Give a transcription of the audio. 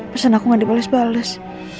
pesan aku gak dibales bales